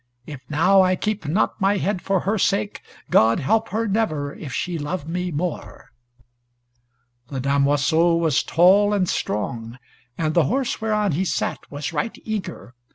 If now I keep not my head for her sake, God help her never, if she love me more!" The damoiseau was tall and strong, and the horse whereon he sat was right eager.